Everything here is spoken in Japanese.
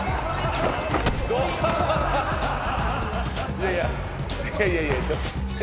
いやいやいやいやいや何？